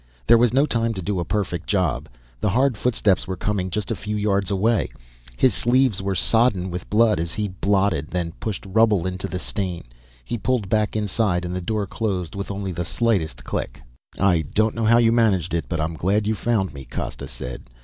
There was no time to do a perfect job, the hard footsteps were coming, just a few yards away. His sleeves were sodden with blood as he blotted, then pushed rubble into the stain. He pulled back inside and the door closed with only the slightest click. "I don't know how you managed it, but I'm glad you found me," Costa said.